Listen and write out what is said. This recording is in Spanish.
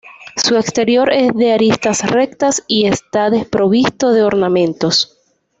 Su exterior es de aristas rectas y está desprovisto de ornamentos.